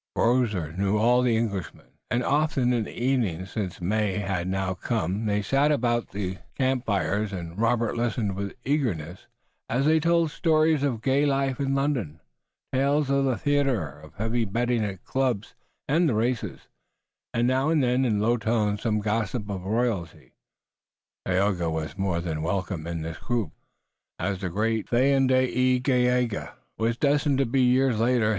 Grosvenor knew all the Englishmen, and often in the evenings, since May had now come they sat about the camp fires, and Robert listened with eagerness as they told stories of gay life in London, tales of the theater, of the heavy betting at the clubs and the races, and now and then in low tones some gossip of royalty. Tayoga was more than welcome in this group, as the great Thayendanegea was destined to be years later.